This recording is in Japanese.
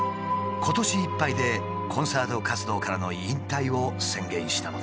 今年いっぱいでコンサート活動からの引退を宣言したのだ。